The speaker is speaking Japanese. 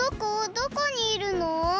どこにいるの？